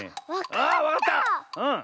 あわかった！